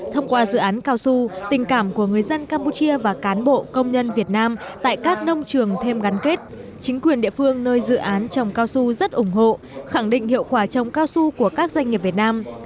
thông qua dự án cao su tình cảm của người dân campuchia và cán bộ công nhân việt nam tại các nông trường thêm gắn kết chính quyền địa phương nơi dự án trồng cao su rất ủng hộ khẳng định hiệu quả trồng cao su của các doanh nghiệp việt nam